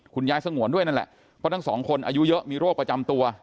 สงวนด้วยนั่นแหละเพราะทั้งสองคนอายุเยอะมีโรคประจำตัว